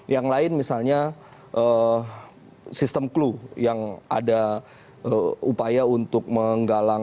yang lain misalnya sistem clue yang ada upaya untuk menggalang